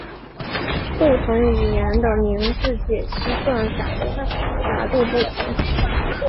不同语言的名字解析算法的复杂度不同。